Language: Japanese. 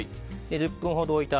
１０分ほど置いた